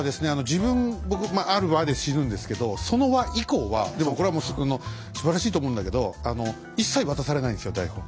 自分僕ある話で死ぬんですけどその話以降はでもこれはすばらしいと思うんだけど一切渡されないんですよ台本。